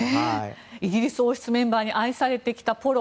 イギリス王室メンバーに愛されてきたポロ。